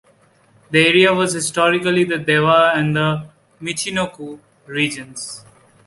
The area was historically the Dewa and the Michinoku regions.